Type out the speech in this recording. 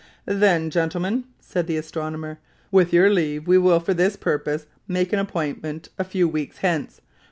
"Then, gentlemen," said the astronomer, "with your leave we will for this purpose make an appointment a few weeks hence.